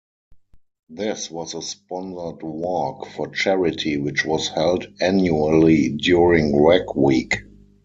This was a sponsored walk for charity which was held annually during Rag Week.